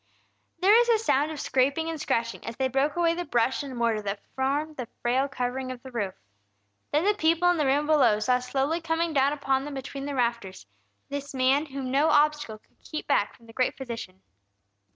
There was a sound of scraping and scratching as they broke away the brush and mortar that formed the frail covering of the roof. Then the people in the room below saw slowly coming down upon them between the rafters, this man whom no obstacle could keep back from the Great Physician.